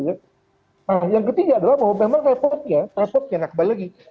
nah yang ketiga adalah bahwa memang repotnya repotnya nakbal lagi